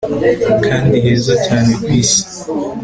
kandi heza cyane ku isi